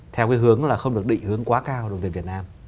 theo cái hướng là không được định hướng quá cao đối với việt nam